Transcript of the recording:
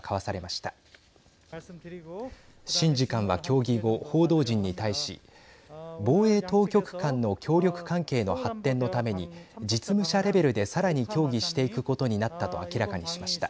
シン次官は協議後、報道陣に対し防衛当局間の協力関係の発展のために実務者レベルでさらに協議していくことになったと明らかにしました。